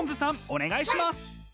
お願いします。